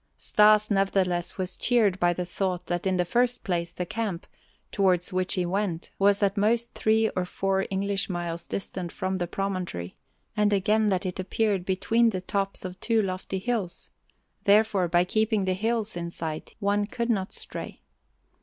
Stas, nevertheless, was cheered by the thought that in the first place the camp, towards which he went, was at most three or four English miles distant from the promontory, and again that it appeared between the tops of two lofty hills; therefore, by keeping the hills in sight, one could not stray.